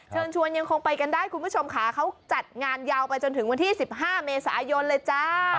เชิญชวนยังคงไปกันได้คุณผู้ชมค่ะเขาจัดงานยาวไปจนถึงวันที่๑๕เมษายนเลยจ้า